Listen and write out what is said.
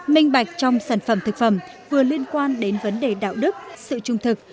minh bạch trong sản phẩm thực phẩm vừa liên quan đến vấn đề đạo đức sự trung thực